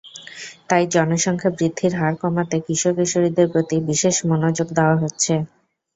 তাই জনসংখ্যা বৃদ্ধির হার কমাতে কিশোর-কিশোরীদের প্রতি বিশেষ মনোযোগ দেওয়া হচ্ছে।